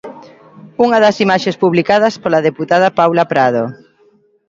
Unha das imaxes publicada pola deputada Paula Prado.